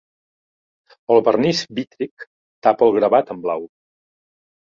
El vernís vítric tapa el gravat en blau.